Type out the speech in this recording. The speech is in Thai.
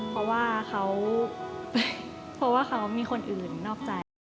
เพราะว่าเขามีคนอื่นนอกใจ